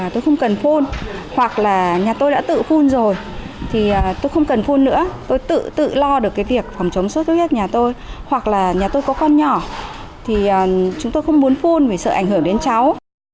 tôi không cần phun hoặc là nhà tôi đã tự phun rồi thì tôi không cần phun nữa tôi tự tự lo được cái việc phòng chống sốt xuất huyết nhà tôi hoặc là nhà tôi có con nhỏ thì chúng tôi không muốn phun vì sợ ảnh hưởng đến cháu